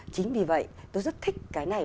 chính vì vậy tôi rất thích cái này